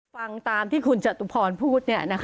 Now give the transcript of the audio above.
ฟังตามที่คุณจตุพรพูด